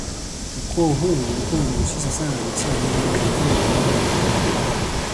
Ukoo huu ulikuwa ukijihusisha sana na biashara zilizokuwa zikifanywa maeneo ya mwambao